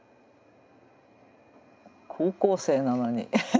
高校生なのに。